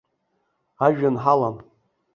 Ажәҩан ҳалан.